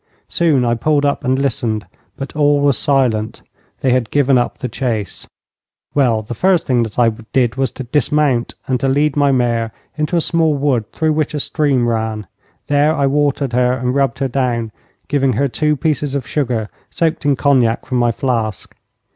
Soon I pulled up and listened, but all was silent. They had given up the chase. Well, the first thing that I did was to dismount and to lead my mare into a small wood through which a stream ran. There I watered her and rubbed her down, giving her two pieces of sugar soaked in cognac from my flask.